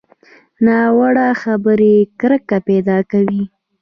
ناوړه خبرې کرکه پیدا کوي